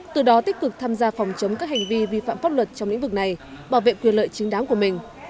từ đó tích cực tham gia phòng chống các hành vi vi phạm pháp luật trong lĩnh vực này bảo vệ quyền lợi chính đáng của mình